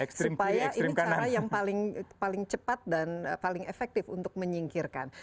supaya ini cara yang paling cepat dan paling efektif untuk menyingkirkan